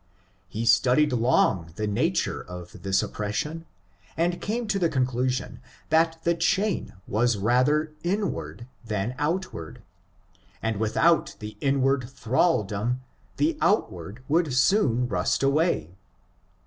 He studied long the nature of this oppression, and came to the conclusion that the chain was rather inward than outward, and without the inward thraldom the outward would soon rust away.